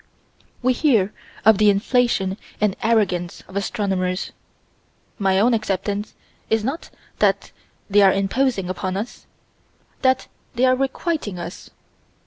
We hear of the inflation and arrogance of astronomers. My own acceptance is not that they are imposing upon us: that they are requiting us.